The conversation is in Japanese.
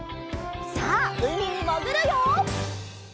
さあうみにもぐるよ！